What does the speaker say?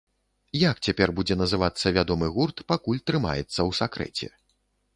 Як цяпер будзе называцца вядомы гурт, пакуль трымаецца ў сакрэце.